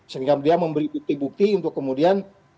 sehingga dia memberi bukti bukti untuk kemudian